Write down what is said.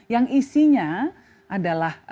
yang isinya adalah